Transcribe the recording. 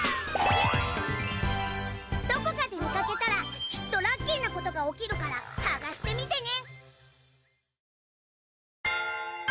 どこかで見かけたらきっとラッキーなことが起きるから探してみてね。